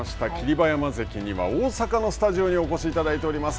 馬山関には大阪のスタジオにお越しいただいております。